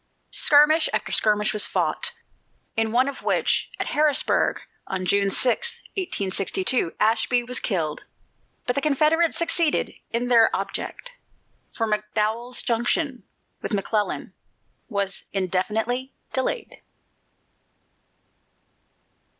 Skirmish after skirmish was fought, in one of which, at Harrisonburg, on June 6, 1862, Ashby was killed. But the Confederates succeeded in their object, for McDowell's junction with McClellan was indefinitely delayed.